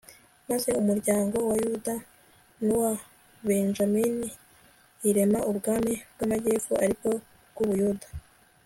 maze umuryango wa yuda n'uwa benjamini irema ubwami bw'amajyepfo ari bwo bw'ubuyuda